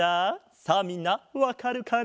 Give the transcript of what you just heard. さあみんなわかるかな？